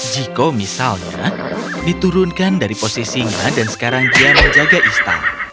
jiko misalnya diturunkan dari posisinya dan sekarang dia menjaga istana